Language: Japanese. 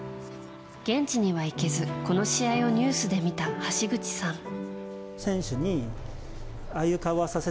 現地には行けず、この試合をニュースで見た橋口さん。